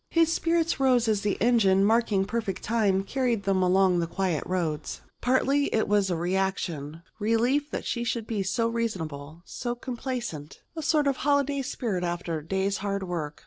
His spirits rose as the engine, marking perfect time, carried them along the quiet roads. Partly it was reaction relief that she should be so reasonable, so complaisant and a sort of holiday spirit after the day's hard work.